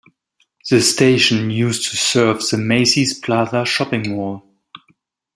The station used to serve the Macy's Plaza shopping mall.